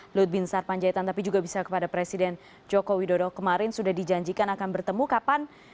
lut bin sarpanjaitan tapi juga bisa kepada presiden joko widodo kemarin sudah dijanjikan akan bertemu kapan